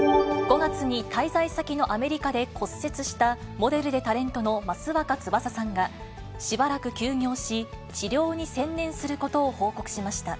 ５月に滞在先のアメリカで骨折したモデルでタレントの益若つばささんが、しばらく休業し、治療に専念することを報告しました。